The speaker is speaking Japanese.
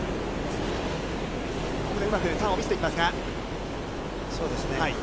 ここでうまくターンを見せていきますが。